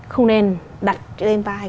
không nên đặt lên vai